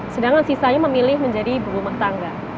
sedangkan sisanya memilih menjadi berumah tangga